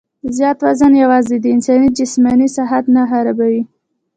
زيات وزن يواځې د انسان جسماني ساخت نۀ خرابوي